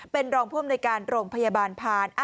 เป็นรองพ่อมในการโรงพยาบาลพาน